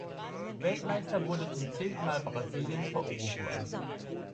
Weltmeister wurde zum zehnten Mal Brasilien, vor Uruguay.